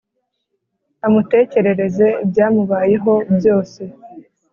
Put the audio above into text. amutekerereza ibyamubayeho byose